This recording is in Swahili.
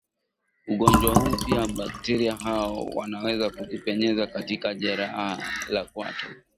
ugonjwa huu Pia bakteria hao wanaweza kujipenyeza katika jeraha la kwato